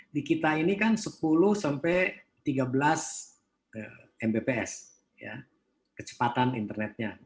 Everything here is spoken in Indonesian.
di kita ini kan sepuluh sampai tiga belas mbps kecepatan internetnya